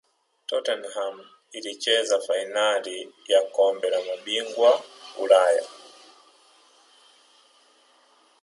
tottenham ilicheza fainali ya kombe la mabingwa ulaya